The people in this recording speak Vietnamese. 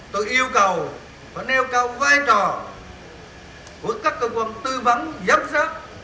tôi yêu cầu và nêu cầu vai trò của các cơ quan tư vấn giám sát